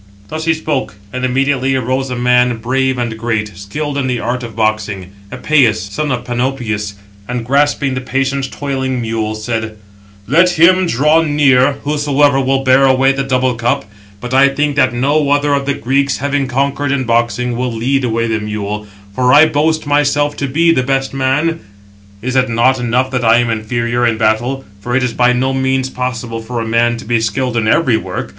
Thus he spoke; and immediately arose a man brave and great, skilled in the art of boxing, Epëus, son of Panopeus; and grasping the patient toiling mule, said: "Let him draw near, whosoever will bear away the double cup; but I think that no other of the Greeks having conquered in boxing, will lead away the mule; for I boast myself to be the best man. Is it not enough that I am inferior in battle? 766 For it is by no means possible for a man to be skilled in every work.